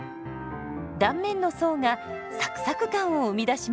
断面の層がサクサク感を生み出します。